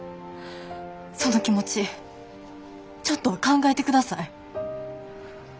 その気持ちちょっとは考えてください。